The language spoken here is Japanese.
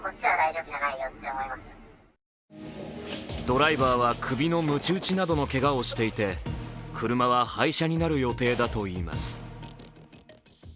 ドライバーは首のむち打ちなどのけがをしていて車は廃車になる予定だといいます。